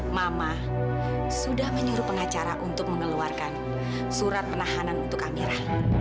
mama sudah menyuruh pengacara untuk mengeluarkan surat penahanan untuk amirah